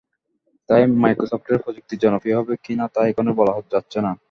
তবে মাইক্রোসফটের প্রযুক্তি জনপ্রিয় হবে কি না তা এখনই বলা যাচ্ছে না।